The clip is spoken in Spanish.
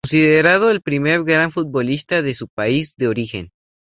Considerado el primer gran futbolista de su país de origen.